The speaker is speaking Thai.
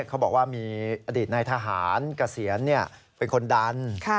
เขาบอกว่ามีอดีตนายทหารเกษียณเป็นคนดัน